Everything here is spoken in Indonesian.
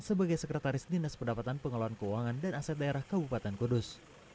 sebagai sekretaris dinas pendapatan pengelolaan keuangan dan aset daerah kabupaten kudus